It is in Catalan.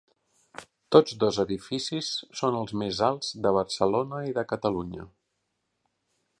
Tots dos edificis són els més alts de Barcelona i de Catalunya.